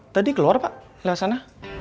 tadi keluar pak lihat sana